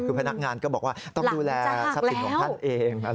คือพนักงานก็บอกว่าต้องดูแลทรัพย์สินของท่านเอง